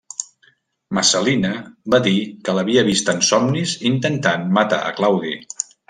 Messalina va dir que l'havia vist en somnis intentant matar a Claudi.